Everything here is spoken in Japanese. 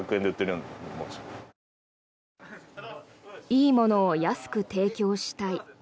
いいものを安く提供したい。